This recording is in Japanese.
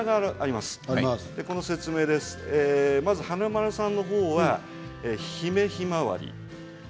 まず華丸さんのほうはヒメヒマワリ。